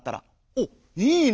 「おっいいね！